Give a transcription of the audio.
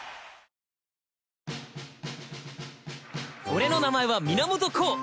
俺の名前は源光